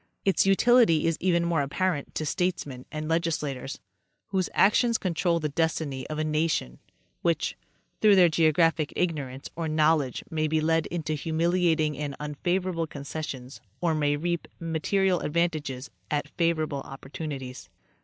Its utility is even more apparent to statesmen and legislators, whose actions control the destiny of a nation, which, through their geographic ignorance or knowledge may be led into humiliating and unfavorable concessions or may reap mate rial advantages at favorable opportunities.